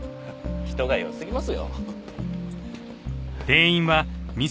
人がよすぎますよ。